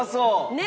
ねえ！